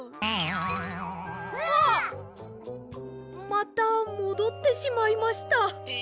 またもどってしまいました。え！？